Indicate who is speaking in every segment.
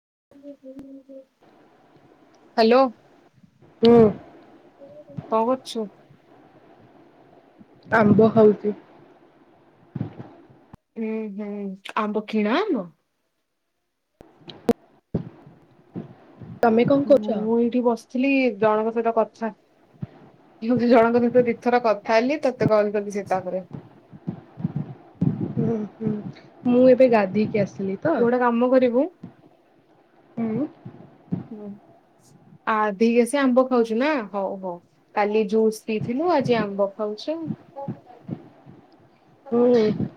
Speaker 1: ହଁ, ହଁ, ହୁଁ ଠିକ୍ ଅଛି
Speaker 2: ହୁଁ
Speaker 1: [inaudible] ହ୍ୟାଲୋ, କଣ କରୁଛୁ?
Speaker 2: ଆମ୍ବ ଖାଉଛୁ,
Speaker 1: ହୁଁ ହୁଁ, ଆମ୍ବ କିଣା ଆମ୍ବ
Speaker 2: ତମେ କଣ କରୁଛ?
Speaker 1: ହୁଁ ମୁଁ ଏଇଠି ବସିଥିଲି ଜଣଙ୍କ ସହିତ କଥା ଜଣଙ୍କ ସହ କଥା ହେଲି ଦି ଥର। ତା ପରେ ତତେ କଲ୍ କଲି ତାପରେ
Speaker 2: ହୁଁ ହୁଁ ମୁଁ ଏବେ ଗାଧେଇକି ଆସିଲି। ତ
Speaker 1: ତୁ ଗୋଟେ କାମ କରିବୁ଼,
Speaker 2: ହୁଁ
Speaker 1: ଆ ଦି କେସି ଆମ୍ବ ଖାଉଛୁ ନା ହଉ ହଉ, କାଲି ଜୁସ୍ ପିଇଥିଲୁ, ଆଜି ଆମ୍ବ ଖାଉଛୁ।
Speaker 2: ମୁଁ ନାହିଁ।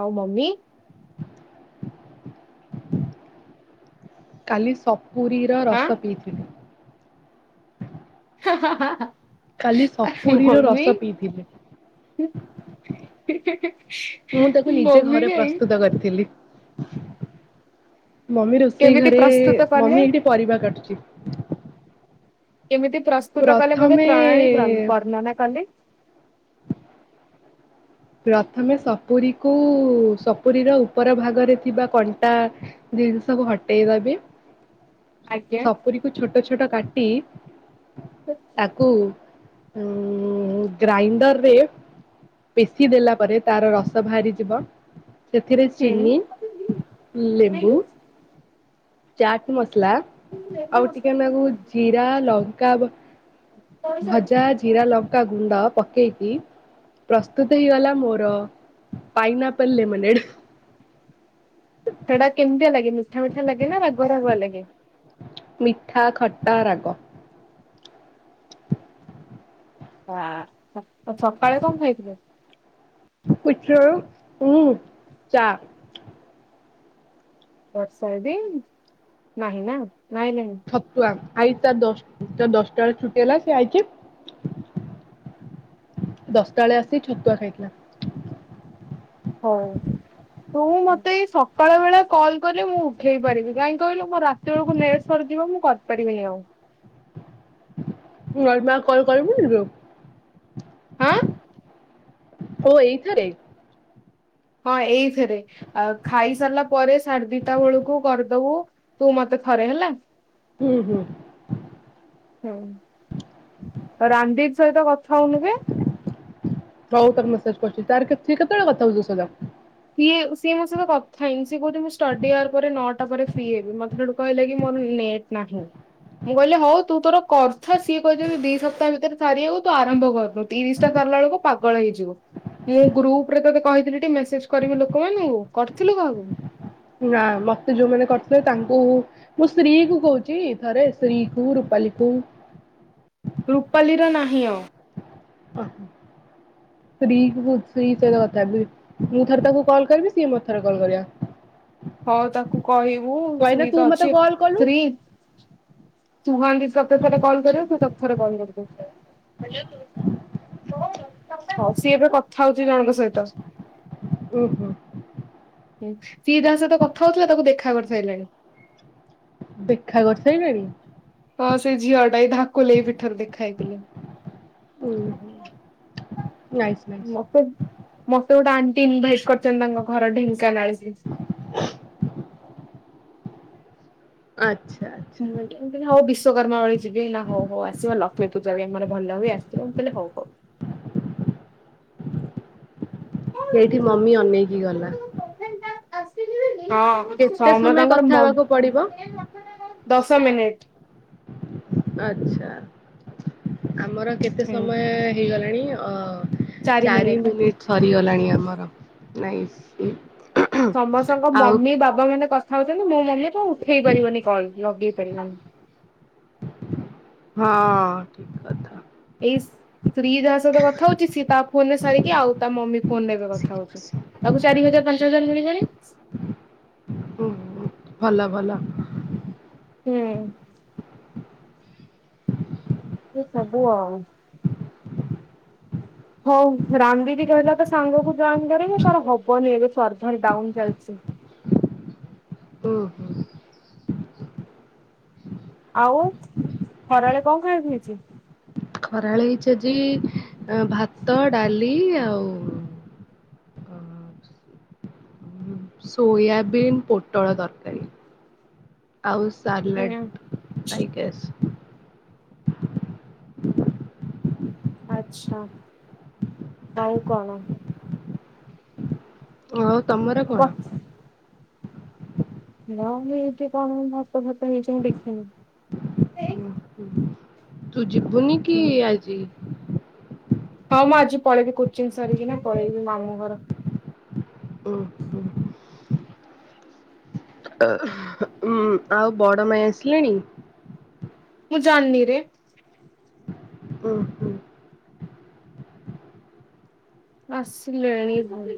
Speaker 1: ଆଉ ମମି,
Speaker 2: କାଲି ସକ ପୁରୀର
Speaker 1: ହାଁ
Speaker 2: ରସ ପିଇଥିଲି,
Speaker 1: ହାଁ ହାଁ ହାଁ।
Speaker 2: କାଲି ସପୁରୀର ରସ ପିଇଥିଲେ,
Speaker 1: ହ [unintelligible]
Speaker 2: ମୁଁ ତାକୁ ନିଜେ ଘରେ ପ୍ରସ୍ତୁତ କରିଥିଲି। [inaudible] ମମି ରୋଷେଇ
Speaker 1: କେମିତି
Speaker 2: ଘରେ
Speaker 1: ପ୍ରସ୍ତୁତ କଲେ
Speaker 2: ମମି ଏଠି ପରିବା କାଟୁଛନ୍ତି, [unintelligible]
Speaker 1: କେମିତି ପ୍ରସ୍ତୁତ କଲେ ମୋତେ ପ୍ରଣାଳୀ ବର୍ଣ୍ଣନା କଲେ।
Speaker 2: ପ୍ରଥମେ ସପୁରୀକୁ ସପୁରିର ଉପର ଭାଗରେ ଥିବା କଣ୍ଟା ଜିନିଷକୁ ହଟାଇ ଦେବେ।
Speaker 1: ଆଜ୍ଞା
Speaker 2: ସପୁରିକୁ ଛୋଟ ଛୋ ଛୋଟ କାଟି ତାକୁ। ଉଁ ଗ୍ରାଇଣ୍ଡରରେ, ପେଷି ଦେଲା ପରେ ତାର ରସ ବାହାରିଯିବ। ସେଥିରେ
Speaker 1: ହୁଁ
Speaker 2: ଚିନି ଲେମ୍ବୁ, ଚାଟ ମସଲା। ଆଉ ଟିକେନାକୁ ଜିରା ଲ କା ବ୍ ଭଜା ଜିରା ଲଙ୍କା ଗୁଣ୍ଡ ପକେଇକି ପ୍ର ସ୍ତୁତ ହେଇଗଲା ମୋର ପାଇନାଆପଲ୍ ଲେମୋନେଡ୍।
Speaker 1: ସେଟା କେମିତିଆ ଲାଗେ? ମିଠା ମିଠା ଲାଗେ ନା, ରାଗୁଆ ରାଗୁଆ ଲାଗେ?
Speaker 2: ମିଠା, ଖଟା, ରାଗ।
Speaker 1: ହା ସକାଳେ କଣ ଖାଇଥିଲୁ?
Speaker 2: ପୁଠୋଉ ଉଁ ଚା।
Speaker 1: ବର୍ଷା ଦିନ୍ ନାହିଁ ନା। ନାଇଁ ନାଇଁ।
Speaker 2: ଆଇତା ଦଶ ଦଶଟା ବେଳେ ଛୁଟି ହେଲା ସେ ଆଇଛି। ଦଶଟା ବେଳେ ଆସି ଛତୁଆ ଖାଇଥିଲା।
Speaker 1: ହଉ। ତୁ ମତେ ଏଇ ସକାଳ ବେଳା କଲ୍ କଲେ ମୁଁ ଉଠେଇ ପାରିବି। କାହିଁକି କହିଲୁ ମୋ ରାତି ବେଳକୁ ନେଟ୍ ସରିଯିବ ମୁଁ କରିପାରିବିନି ଆଉ।
Speaker 2: [unintelligible]
Speaker 1: ଆ।
Speaker 2: ଓ ଏଇଥିରେ?
Speaker 1: ହଁ ଏଇଥିରେ। ଆ ଖାଇସାରିଲା ପରେ ସାଢେ ଦିଟା ବେଳକୁ କରିଦବୁ ତୁ ମତେ ଥରେ ହେଲା।
Speaker 2: ହୁଁ ହୁଁ।
Speaker 1: ହଁ ରାନ୍ ଦିଦି ସହିତ କ ଖାଉନୁ ବେ।
Speaker 2: ହଉ ତାକୁ ମେସେଜ କରୁଛି। ତାର ସିଏ କେତେବେଳେ କଥା ହଉଛି ତୋ ସହିତ?
Speaker 1: ସଏ ସିଏ ମୋ ସହିତ କଥା ହେଇନି। ସେ କହୁଛି ଷ୍ଟଡି ଆର ପରେ ନଅଟା ପରେ ଫ୍ରୀ ହେବି। ମତେ ସେଠୁ କହିଲା କି ମୋର ନେଟ୍ ନାହିଁ। ମୁଁ କହିଲି ହଉ ତୁ କଥା ସି କହି ଦି ସପ୍ତାହ ଭିତରେ ସାରିୁ ତୁ ଆରମ୍ଭ କରୁନୁ ତିରିଶଟା ସାରିଲା ବେଳକୁ ପାଗଳ ହେଇଯିବୁ। ମୁଁ ଗ୍ରୁପ ରେ କହିଥିଲି ଟି ମେସେଜ୍ କରିବୁ ଲୋକମାନ ଙ୍କୁ। କରିଥିଲୁ କାହାକୁ?
Speaker 2: ନା ମତେ ଯୋଉମାନେ କରିଥିଲେ, ତାଙ୍କୁ ମୁଁ ଶ୍ରୀ କୁ କହୁଚି ଥରେ ଶ୍ରୀ କୁ ରୁପାଲି କୁ
Speaker 1: ନିଅ।
Speaker 2: ଅହଂ ଶ୍ରୀ କୁଚ ଶ୍ରୀ ସହିତ କଥା ହେଉଥିଲି ମୁଁ ତାକୁ ଥରେ ତାକୁ କଲ୍ କରିବି ସିଏ ମୋତେ ଥରେ କଲ୍ କରିବ।
Speaker 1: ହଁ ତାକୁ କହିବୁ ଛୁରୀ
Speaker 2: ତୁ
Speaker 1: ତ
Speaker 2: ମତେ
Speaker 1: ଅଛି
Speaker 2: କଲ୍ କଲୁ
Speaker 1: ସ୍ତ୍ରୀ। ସୁହାନ୍ତୀ ତତେ ଥରେ କଲ କରିବ। ତୁ ତାକୁ ଥରେ କଲ୍ କରିଦେ।
Speaker 2: [inaudible]
Speaker 1: ସିଏ ଏବେ କଥା ହଉଛି ଜଣଙ୍କ ସହିତ।
Speaker 2: ଉଁ ହୁଁ।
Speaker 1: ସିଏ ଯାହା ସହିତ କଥା ହଉଥିଲା ତାକୁ ଦେଖା କରି ସାରିଲାଣି।
Speaker 2: ଦେଖା କରି ସାରିଲାଣି?
Speaker 1: ହଁ ସେ ଝିଅ ଟା। ଧାକୁଲେଇ ପିଠରେ ଦେଖା ହେଇଥିଲେ।
Speaker 2: ଉଁ ହୁଁ। ନାଇସ୍ ନାଇସ୍
Speaker 1: ମତେ, ମତେ ଗୋଟେ ଆଣ୍ଟି ଇନଭାଇଟ କରିଛନ୍ତି ତାଙ୍କ ଘର ଢେଙ୍କାନାଳ। [unintelligible]
Speaker 2: [unintelligible]
Speaker 1: ମୁଁ ହଉ ବିଶ୍ଵକର୍ମା ବେଳେ ଯିବି। ନା ହଉ ହଉ ଆସିବ ଲ ଲକ୍ଷ୍ମୀ ପୂଜା ବି ଆମର ଭଲ ହୁଏ। ଆସିବ ମୁଁ କହିଲି ହଉ ହଉ। ହଁ
Speaker 2: ଏଇଠି ମମି ଅନେଇକି ଗଲା।
Speaker 1: ହଁ
Speaker 2: କେତେ
Speaker 1: ସମ
Speaker 2: ସମୟ
Speaker 1: ତଙ୍କର
Speaker 2: କଥା ହେବାକୁ ପଡିବ
Speaker 1: ମୋବାଇଲ ଦଶ ମିନିଟ୍।
Speaker 2: ଆଚ୍ଛା। ଆମର କେତେ
Speaker 1: ହୁଁ
Speaker 2: ସମୟ ହେଇଗଲା? ଆ। ଚାରି ମିନିଟ୍। ସରିଗଲାଣି ଆମର, ନାଇଁ।
Speaker 1: ସମସ୍ତଙ୍କ
Speaker 2: ଆଉ
Speaker 1: ମମି ବାବା ମାନେ କ ଖାଉଛନ୍ତି। ମୁଁ, ମମି କଣ ଉଠେଇ ପାରିବନି କଲ। ଲଗେଇ ପାରିରିବନି।
Speaker 2: ହଁ। ଟିକି କଥା।
Speaker 1: ଏଇ ସ୍ତ୍ରୀ ଯାହା ସହିତ କଥା ହଉଛି। ସିଏ ତା ଫୋନ ରେ ସାରିକି ଆଉ ତା ମମି ଫୋନ ରେ ଏବେ କଥା ହଉଛି। ତାକୁ ଚାରି ହଜାର ପାଞ୍ଚ ହଜାର ମିଳିିଲାଣି।
Speaker 2: ହୁଁ ହୁଁ ଭଲ ଭଲ।
Speaker 1: ହୁଁ। ଏ ସବୁ ଆଉ। ହଉ, ରାମଦିଦୀ କହିଲା ତ ସାଙ୍ଗକୁ ଜଏନ କରିବୁ ତାର ହବନି ଏବେ ସର୍ଭର ଡାଉନ ଚାଲିଚି।
Speaker 2: ଓହୋ।
Speaker 1: ଆଉ ଖରାଳେ କଣ ଖାଇବାକୁ ହେଇଛି।
Speaker 2: ଖରାଳ ହେଇଛି ଆଜି ଭାତ, ଡାଲି ଆଉ ସୋୟବୀନ୍ ପୋଟଳ ତରକାରୀ। ଆଉ
Speaker 1: ଉଁ
Speaker 2: ସାର୍ଲଟ୍ ଆଇ ଗେସ୍। [inaudible]
Speaker 1: ଆଛା ଆଉ କଣ?
Speaker 2: ଓ। ତମର କଣ?
Speaker 1: ନାମ ଏଇଠି କଣ ଭାତ ଫାତ ହେଇଛି ମୁଁ ଦେଖନି।
Speaker 2: ତୁ। ଯିବୁନି କି ଆଜି।
Speaker 1: ହଁ। ମୁଁ ଆଜି ପଳେଇବି କୋଚିିନ ସରିକି ନା, ପଳେଇବି ମାମୁଁ ଘର।
Speaker 2: ହୁଁ, ହୁଁ। ଅ ଉଁ ଆଉ ବଡ ମାଇ ଆସିଲାଣି।
Speaker 1: ମୁଁ ଯାଆନି ରେ।
Speaker 2: ହୁଁ, ହୁଁ।
Speaker 1: ଆସିଲେଣି?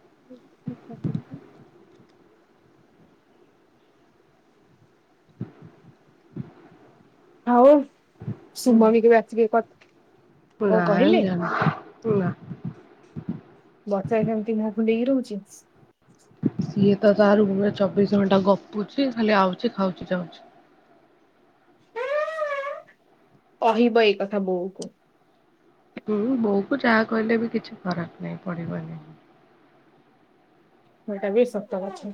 Speaker 1: [inaudible] ଆଉ, ସୁମ ବି କେବେ ଆସିବି କ
Speaker 2: ନାନ ଜଣ। ନା।
Speaker 1: ବର୍ଷା ଏମିତି ମୁହଁଫୁଲେଇ ରହୁଛି।
Speaker 2: ସିଏ ତ ତା ରୁମରେ ଚବିଶ ଘଣ୍ଟା ଗପୁଛି। ଖାଲି ଆଉଛି, ଖାଉଛି ଯାଉଛି।
Speaker 1: ଅହିବ ଏ କଥା ବଉକୁ।
Speaker 2: ହୁଁ, ବୋଉ କୁ ଯାହା କହିଲେ ବି କିଛି ଫରକ ନାଇଁ ପଡିବନି।
Speaker 1: ଏଟା ବି ସତ କଥା।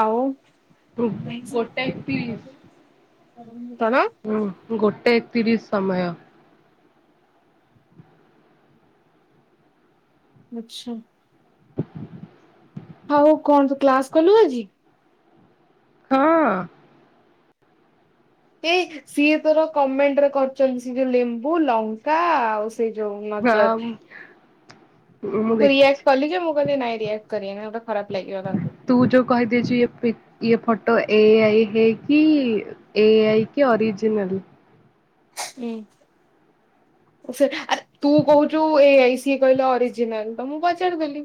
Speaker 1: ଆଉ। କଣ
Speaker 2: ଗୋଟେ ଏକତିରିଶ।
Speaker 1: [unintelligible]
Speaker 2: ହୁଁ ଗୋଟେ ଏକ ତିରିସ୍ ସମୟ।
Speaker 1: ଆଛା। ହଉ କଣ ତୁ କ୍ଲାସ କଲୁ ଆଜି?
Speaker 2: ହଁ।
Speaker 1: ଏ ସିଏ ତୋର କମେଣ୍ଟରେ କରିଛନ୍ତି ସେ ଯୋଉ ଲେମ୍ବୁ ଲଙ୍କା ଆଉ। ସେଇ ଯୋଉ ନଜର
Speaker 2: ହଁ
Speaker 1: ମୁଁ ରିଆକ୍ଟ କଲି ଯେ ମୁଁ କହିଲି ନାଇଁ ରିଆକ୍ଟ କରିଆନି
Speaker 2: ତୁ ଯଉ କହିଦେଇଛୁ ଏ ପିକ। ଇଏ ଫଟୋ ଏ ଆଇ ହେଇକି ଏ ଆଇ କି ଅରିଜିନାଲ
Speaker 1: ହଁ ସେ ଆରେ ତୁ କହୁଛୁ ଏ ଆଇ ସେ କହିଲେ ଅରିଜିନାଲ ତ ମୁଁ ପଚାରିଦଲି।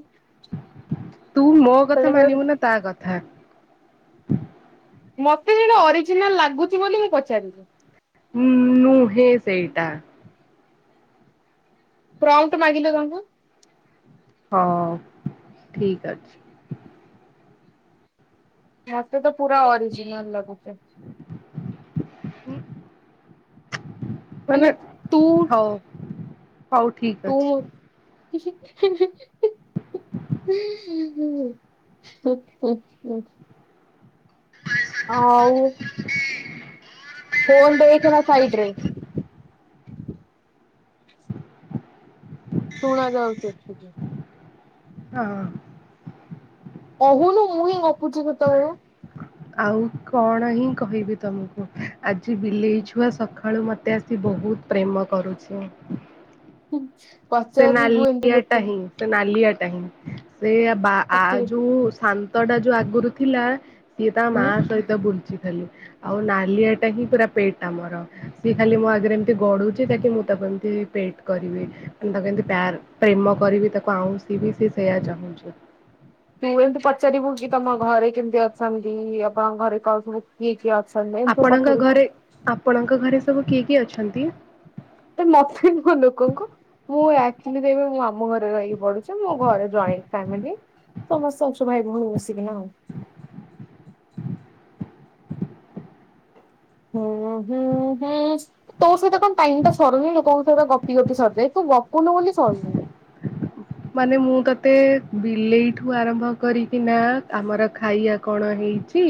Speaker 2: ତୁ ମୋ କଥା ମାନିବୁ ନା ତା କଥା? [inaudible]
Speaker 1: ମତେ ସେଟା ଅରିଜିନାଲ ଲାଗୁଚି ବୋଲି ମୁଁ ପଚାରିଲି।
Speaker 2: ହୁଁ ନୁହେଁ ସେଇଟା।
Speaker 1: ପ୍ରମ୍ପଟ ମାଗିଲ ତାଙ୍କୁ
Speaker 2: ହଁ ଠିକ ଅଛି।
Speaker 1: ମତେ ତ ପୁରା ଅରିଜିନାଲ ଲାଗୁଛି। ମାନେ ତୁ
Speaker 2: ହଉ ହଉ ଠିକ
Speaker 1: ତୁ
Speaker 2: ଅଛି।
Speaker 1: [unintelligible] ହୁଁ ହଁ ହୁଁ ହୁଁ। ଆଉ। ଫୋନ ଦେଖ ନା ସାଇଡରେ ଶୁଣା ଯାଉଛି ଏଠିକି
Speaker 2: ହଁ।
Speaker 1: କହୁନୁ ମୁଁ ହିଁ ଗପୁଚି ସେତବେଳୁ।
Speaker 2: ଆଉ କଣ ହିଁ କହିବି ତମକୁ। ଆଜି ବିଲେଇ ଛୁଆ ସକା ଆଳୁ ମୋତେ ଆସି ବହୁତ ପ୍ରେମ କରୁଛି।
Speaker 1: [unintelligible]
Speaker 2: ସେ
Speaker 1: ଏମିତି
Speaker 2: ନାଲିଆ ଆଟା
Speaker 1: ଲୋକଙ୍କୁ
Speaker 2: ହିଁ ସେ ନାଲିଆଟା। କାହିଁ। ସେ ବା ଆ
Speaker 1: ପଚାରିବୁ
Speaker 2: ଯୋଉ ଶା। ତଡା ଯୋଉ ଆଗରୁ ଥିଲା ତ ଇଏ ତା
Speaker 1: ହୁଁ
Speaker 2: ମାଆ ସହିତ ବୁଜି ହାଲୋ ଆଉ ନାଲିଆ ଟା ହିଁ ପୁରା ପେଟ୍ ଆମର ସିଏ ଖାଲି ମୋ ଆଗରେ ଏମତି ଗଡୁଛି ତାକି ମୁଁ ତାକୁ ଏମିତି ପେଟ୍ କରିବି ତାକୁ ଏମିତି ପ୍ୟାର୍ ପ୍ରେମ କରିବି ତାକୁ ଆଉଁସିବି ସେ ସେୟା ଚାହୁଁଛି।
Speaker 1: ତିଉ ଏମିତି ପଚାରିବୁ କି ତମ ଘରେ କେମ୍ତି ଅଛନ୍ତି ଆପଣଙ୍କ୍ ଘରେ କଣ ସବୁ କି
Speaker 2: ଆପଣଙ୍କ ଘରେ ଆପଣଙ୍କ ଘରେସ୍ ସବୁ କିଏ କିଏ ଅଛନ୍ତି
Speaker 1: ଏ ମଥେ ମୋ ଲୋକଙ୍କୁ ମୁଁ ଆକଚୀଲିରେ ମୁଁ ଆମ ଘ ମୁଁ ଏଉ ପଢୁଛି ମୁଁ ଘରେ ଜଏଣ୍ଟ୍ ଫେମ୍ଲି ସମସ୍ୟା ଅଛୁ ଭାଇ ଭଉଣୀ ମିଶିକିନା ଆଉ ହୁଁ ହୁଁ ହୁଁ ତୋ ସହିତ କଣ୍ ଟାଇମ୍ ଟା ସରୁନି ଲୋକଙ୍କ ସହିତ ଗପି ଗପି ସରିଯାଏ ତୁ ଗପୁନୁ ବୋଲି ସରୁନି
Speaker 2: ହେଲେ ମୁଁ ତତେ ବିଲେଇ ଠୁ ଆରମ୍ଭ କରିକିନା ଆମର ଖାଇଆ କଣ ହେଇଛି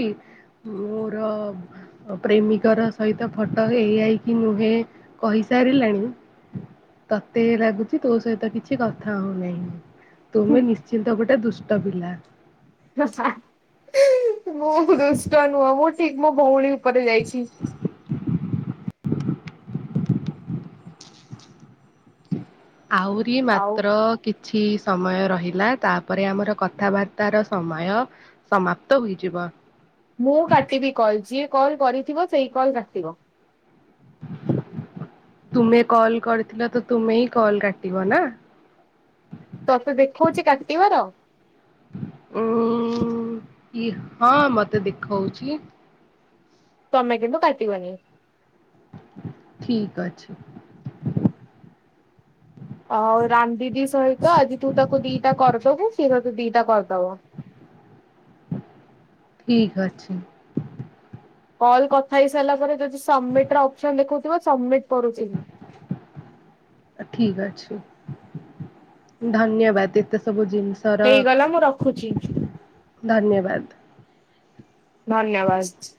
Speaker 2: ମୁଁ ର ପ୍ରେମିକର ସହିତ ଫଟ ହେଇ ଆଇକି ନୁହେଁ କହିସାରିଲାଣି ତତେ ଲାଗୁଚି ତୋ ସହିତ କିଛି କଥା ହଉ ନାଇଁ ତୁମେ ନିଶ୍ଚିନ୍ତ ଗଟେ ଦୁଷ୍ଟ ପିଲା
Speaker 1: ଜୋ ସାଆ ଇଁ ମୁଁ ଦୁଷ୍ଟ ନୁହଁ ମୁଁ ଠିକ୍ ମୋ ଭଉଣୀ ଉପରେ ଯାଇଛି
Speaker 2: ଆହୁରି
Speaker 1: ଆଉ
Speaker 2: ମାତ୍ର କିତ୍ ଛି ସମୟ ରହିଲା ତାପରେ ଆମର କଥାବାର୍ତ୍ତାର ସମାୟ ସମାପ୍ତ ହୋଇଯିବ।
Speaker 1: ମୁଁ କାଟିବି କଲ୍ ଯିଏ କଲ୍ କରିଥିବ ସେଇ କଲ୍ କାଟିବ।
Speaker 2: ତୁମେ କଲ୍ କର୍ ଥିଲ ତ ତୁମେ ହିଁ କଲ୍ କାଟିବ ନା
Speaker 1: ତତେ ଦେଖୋଉଛି କାଟିବାର
Speaker 2: ଉଁ ଇ ହଁ ମତେ ଦେଖଉଛି
Speaker 1: ତମେ କିନ୍ତୁ କାଟିିବନି
Speaker 2: ଠିକ୍ ଅଛି
Speaker 1: ଆଉ ରାନ୍ ଦିଦି ସହିତ ଆଜି ତୁ ତାକୁ ଦିଟା କରଦବୁ ସେ ତତେ ଦିଟା କରଦବ
Speaker 2: ଠିକ୍ ଅଛି
Speaker 1: କଲ୍ କଥା ହେଇ ସାଇଲା ପରେ ଦଯି ସବ୍ମିଟ୍ ର ଅପସନ୍ ଦେଖଉଥିବ ସବ୍ମିଟ୍ କରୁଛି।
Speaker 2: ଠିକ୍ ଅଛି ଧନ୍ୟବାଦ ଏତେ ସବୁଦ୍
Speaker 1: ହେଇଗଲା ମୁଁ ରଖୁଚି
Speaker 2: ଧନ୍ୟବାଦ
Speaker 1: ଧନ୍ୟବାଷ୍ଟ୍